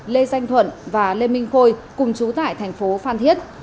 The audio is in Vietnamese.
lê danh thuận và lê minh khôi cùng trú tại thành phố phan thiết